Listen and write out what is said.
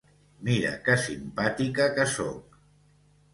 Mira que simpàtica que soc!